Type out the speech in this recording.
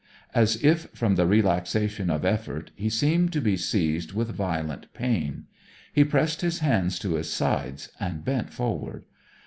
As if from the relaxation of effort he seemed to be seized with violent pain. He pressed his hands to his sides and bent forward.